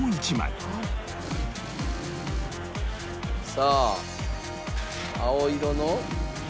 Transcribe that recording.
さあ青色の？